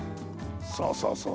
そうそうそう。